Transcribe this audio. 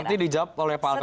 nanti dijawab oleh pak alvin